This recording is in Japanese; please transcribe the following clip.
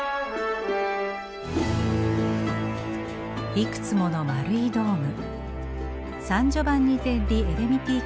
いくつもの丸いドーム。